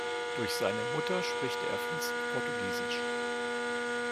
Durch seine Mutter spricht er fließend Portugiesisch.